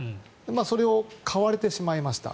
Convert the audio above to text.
それを買われてしまいました。